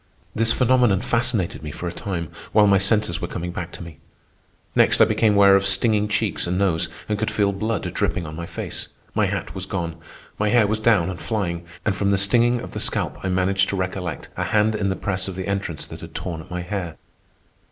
This phenomenon fascinated me for a time, while my senses were coming back to me. Next I became aware of stinging cheeks and nose, and could feel blood dripping on my face. My hat was gone. My hair was down and flying, and from the stinging of the scalp I managed to recollect a hand in the press of the entrance that had torn at my hair.